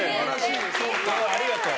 ありがとう。